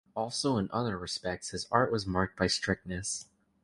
Also in other respects his art was marked by strictness.